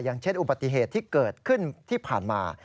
อย่างเช่นอุบัติเหตุที่เกิดขึ้นที่ผ่านมา